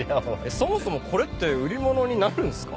そもそもこれって売り物になるんですか？